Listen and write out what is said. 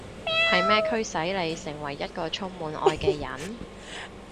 係咩驅使你成為一個充滿愛嘅人？